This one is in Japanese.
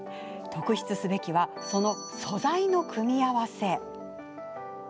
特筆すべきはその素材の組み合わせ。